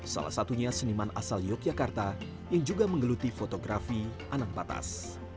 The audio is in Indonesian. salah satunya seniman asal yogyakarta yang juga menggeluti fotografi anang batas